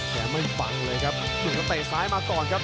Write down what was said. ไม่มีบังเลยครับอยู่กับเตะซ้ายมาก่อนครับ